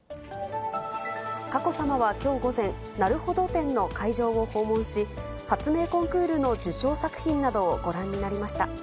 佳子さまはきょう午前、なるほど展の会場を訪問し、発明コンクールの受賞作品などをご覧になりました。